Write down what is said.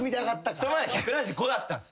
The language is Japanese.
その前１７５だったんす。